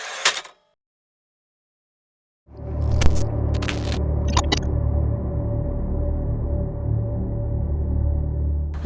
น้ำมีเชิญของครอบครัว